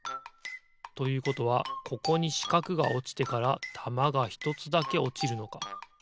ということはここにしかくがおちてからたまがひとつだけおちるのか。